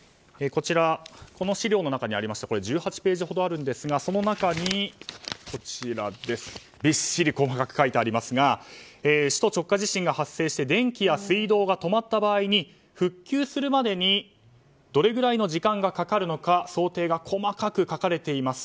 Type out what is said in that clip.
この資料の中にありましてこれ、１８ページほどなんですがその中にびっしり細かく書いてありますが首都直下地震が発生して電気や水道が止まった場合に復旧するまでにどれぐらいの時間がかかるのか想定が細かく書かれています。